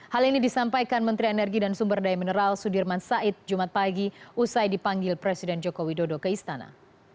hal ini disampaikan menteri energi dan sumber daya mineral sudirman said jumat pagi usai dipanggil presiden joko widodo ke istana